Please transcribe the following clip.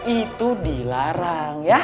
itu dilarang ya